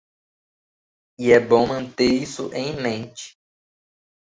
E é bom manter isso em mente.